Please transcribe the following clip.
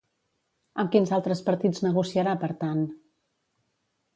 Amb quins altres partits negociarà, per tant?